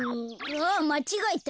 あっまちがえた。